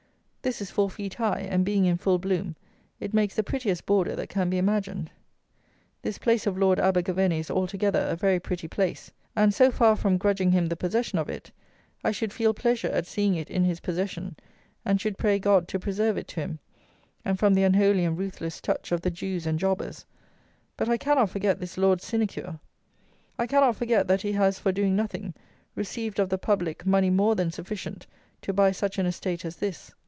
This is four feet high; and, being in full bloom, it makes the prettiest border that can be imagined. This place of Lord Abergavenny is, altogether, a very pretty place; and, so far from grudging him the possession of it, I should feel pleasure at seeing it in his possession, and should pray God to preserve it to him, and from the unholy and ruthless touch of the Jews and jobbers; but I cannot forget this Lord's sinecure! I cannot forget that he has, for doing nothing, received of the public money more than sufficient to buy such an estate as this.